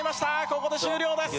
ここで終了です。